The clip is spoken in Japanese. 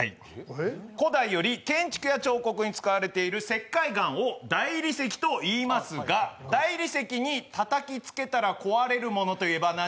「古代より建築や彫刻に使われる石灰岩を大理石と言いますが、大理石にたたきつければ壊れるものは何？」